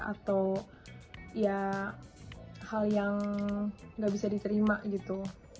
atau ya hal yang nggak bisa diterima gitu